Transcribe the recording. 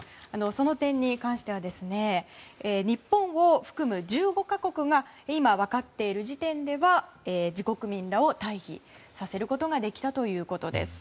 その点に関しては日本を含む１５か国が今、分かっている時点では自国民らを退避させることができたということです。